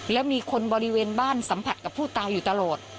แล้วมีคนบริเวณบ้านสัมผัสกับผู้ตายอยู่ตลอด